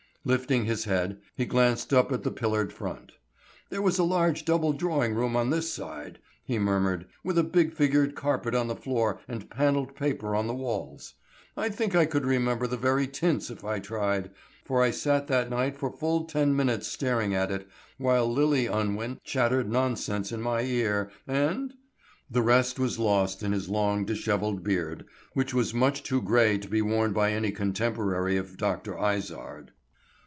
Lifting his head, he glanced up at the pillared front. "There was a large double drawing room on this side," he murmured, "with a big figured carpet on the floor and panelled paper on the walls. I think I could remember the very tints if I tried, for I sat that night for full ten minutes staring at it, while Lillie Unwin chattered nonsense in my ear, and—" the rest was lost in his long, dishevelled beard, which was much too gray to be worn by any contemporary of Dr. Izard.